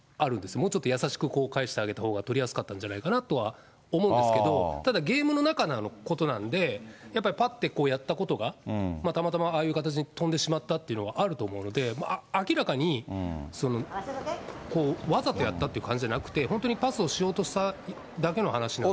もうちょっと優しく返してあげたほうが取りやすかったんじゃないのかなとは思うんですけど、ただゲームの中のことなんで、やっぱり、ぱっとやったことが、たまたまああいう形で飛んでしまったというのはあると思うので、明らかにわざとやったっていう感じじゃなくて、本当にパスをしようとしただけの話なんで。